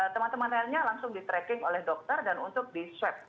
teman temannya langsung di tracking oleh dokter dan untuk disweb